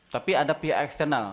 tapi ada pihak eksternal